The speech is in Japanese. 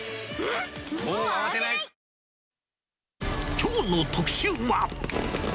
きょうの特集は。